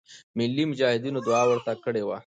ملی مجاهدینو دعا ورته کړې وه.